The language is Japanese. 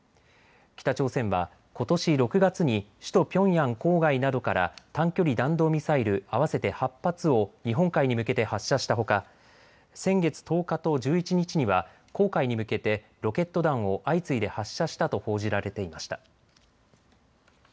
北朝鮮はことし６月に首都ピョンヤン郊外などから短距離弾道ミサイル、合わせて８発を日本海に向けて発射したほか、先月１０日と１１日には黄海に向けてロケット弾を相次いで発射したと報じられていました。